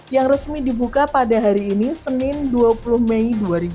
yang resmi dibuka pada hari ini senin dua puluh mei dua ribu dua puluh